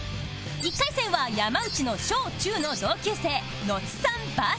１回戦は山内の小中の同級生野津さん